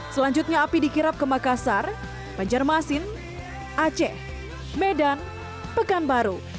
selanjutnya api dikirap ke makassar banjarmasin aceh medan pekanbaru